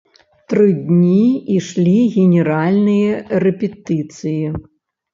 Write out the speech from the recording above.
Тры дні ішлі генеральныя рэпетыцыі.